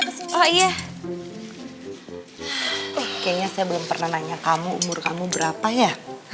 oh iya kayaknya saya belum pernah nanya kamu umur kamu berapa ya